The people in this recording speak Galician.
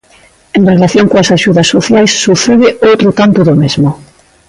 En relación coas axudas sociais sucede outro tanto do mesmo.